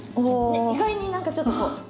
ねっ意外に何かちょっとこう。